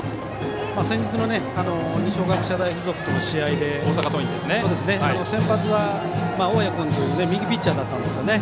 先日の二松学舎大付属との試合で先発は、大矢君という右ピッチャーだったんですよね。